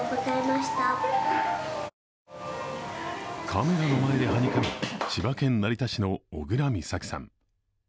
カメラの前ではにかむ千葉県成田市の小倉美咲さん。